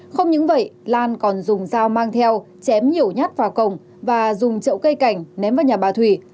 không những vậy lan còn dùng dao mang theo chém nhiều nhát vào cổng và dùng chậu cây cảnh ném vào nhà bà thủy